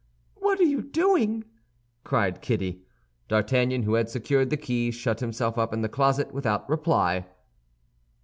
"What are you doing?" cried Kitty. D'Artagnan, who had secured the key, shut himself up in the closet without reply.